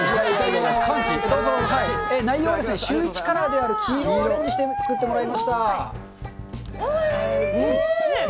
シューイチカラーである黄色をアレンジして作ってもらいました。